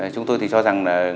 chúng tôi thì cho rằng là